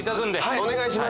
お願いします